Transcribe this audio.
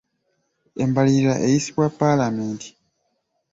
Embalirira eyisibwa paalamenti.